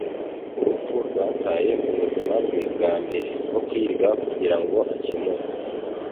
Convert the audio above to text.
Urupfu rwataye mubuzima bwe bwambere bwo kwiga kugirango akemure